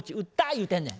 言うてんねん。